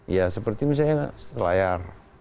ya seperti misalnya selayar